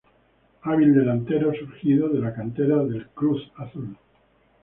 Hábil delantero surgido de la cantera del Cruz Azul.